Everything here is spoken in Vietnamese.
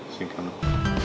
xin cảm ơn ông